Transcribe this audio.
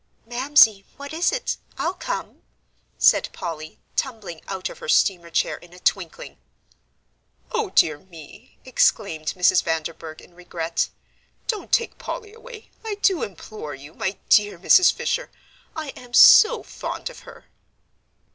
"Mamsie, what is it? I'll come," said Polly, tumbling out of her steamer chair in a twinkling. "O dear me!" exclaimed Mrs. Vanderburgh, in regret, "don't take Polly away, I do implore you, my dear Mrs. Fisher I am so fond of her."